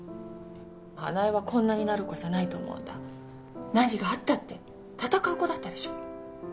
花枝はこんなになる子じゃないと思うんだ何があったって戦う子だったでしょ？